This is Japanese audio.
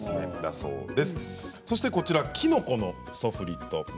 そして、きのこのソフリット。